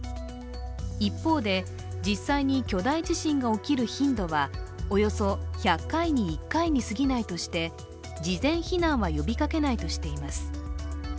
一方で、実際に巨大地震が起きる頻度はおよそ１００回に１回にすぎないとして事前避難は呼びかけないとしています。